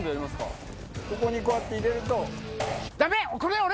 ここにこうやって入れると。